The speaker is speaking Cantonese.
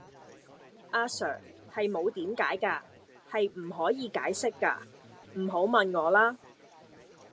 阿 sir, 係冇點解架,係唔可以解釋架,唔好問我啦!